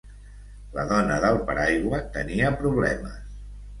La dona del paraigua tenia problemes.